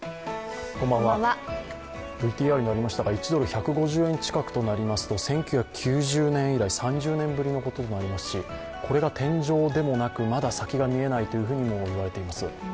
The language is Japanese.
ＶＴＲにありましたが１ドル＝１５０円近くとなりますと１９９０年以来、３０年ぶりのことになりますしこれが天井でもなくまだ先が見えないとも言われています。